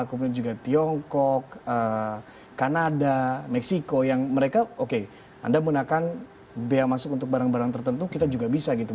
kemudian juga tiongkok kanada meksiko yang mereka oke anda menggunakan biaya masuk untuk barang barang tertentu kita juga bisa gitu